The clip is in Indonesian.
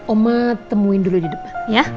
omah temuin dulu di depan